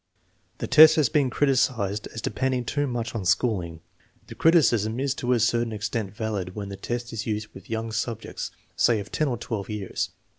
The test has been criticized as depending too much on schooling. The criticism is to a certain extent valid when the test is used with young subjects, say of 10 or 1 years.